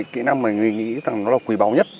kĩ năng mình nghĩ rằng là quỳ báu nhất